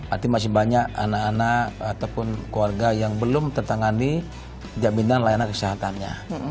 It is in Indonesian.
artinya masih banyak anak anak ataupun keluarga yang belum tertangani jaminan layanan kesehatannya